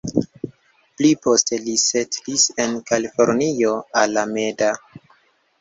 Pli poste li setlis en Kalifornio, Alameda.